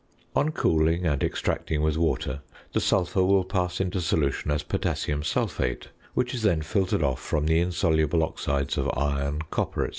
On cooling and extracting with water, the sulphur will pass into solution as potassium sulphate, which is then filtered off from the insoluble oxides of iron, copper, &c.